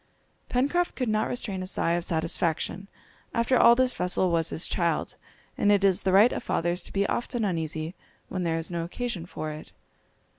Pencroft could not restrain a sigh of satisfaction. After all this vessel was his child, and it is the right of fathers to be often uneasy when there is no occasion for it.